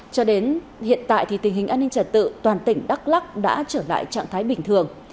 cho đến hiện tại thì tình hình an ninh trật tự toàn tỉnh đắk lắc đã trở lại trạng thái bình thường